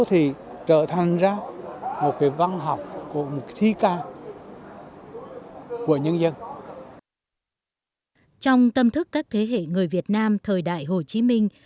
trong tâm thức các thế hệ người việt nam thời đại hồ chí minh